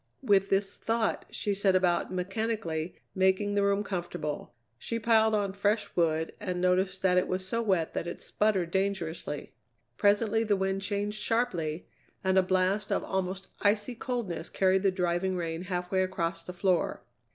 With this thought she set about, mechanically, making the room comfortable. She piled on fresh wood and noticed that it was so wet that it sputtered dangerously. Presently the wind changed sharply, and a blast of almost icy coldness carried the driving rain halfway across the floor.